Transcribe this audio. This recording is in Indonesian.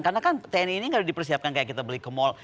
karena kan tni ini nggak dipersiapkan kayak kita beli ke mal